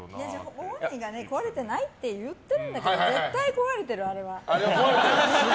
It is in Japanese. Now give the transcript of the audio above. ご本人が壊れてないって言ってるんだけど絶対壊れてる、あれは。